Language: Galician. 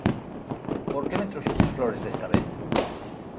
¿Por que me trouxeches flores desta vez?